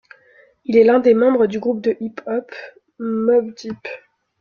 Il est l'un des membres du groupe de hip-hop Mobb Deep.